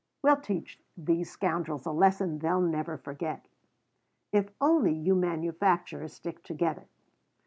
We'll teach these scoundrels a lesson they'll never forget." "If only you manufacturers stick together."